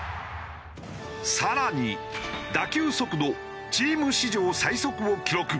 更に打球速度チーム史上最速を記録。